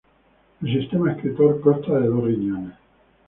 El sistema excretor consta de dos riñones.